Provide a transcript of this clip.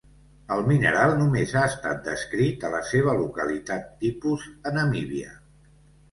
El mineral només ha estat descrit a la seva localitat tipus, a Namíbia.